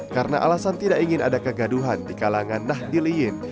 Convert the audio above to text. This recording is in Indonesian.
karena alasan tidak ingin ada kegaduhan di kalangan nahdil iyin